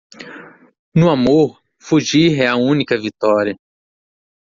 No amor, fugir é a única vitória.